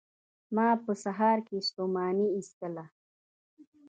ما په سهار کې ستوماني ایستله